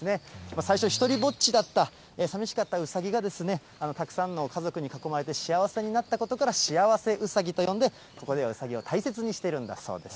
最初、ひとりぼっちだったさみしかったうさぎが、たくさんの家族に囲まれて、幸せになったことから、幸せうさぎと呼んで、ここではうさぎを大切にしているんだそうです。